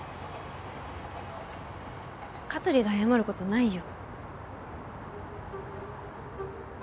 香取が謝る事ないよ。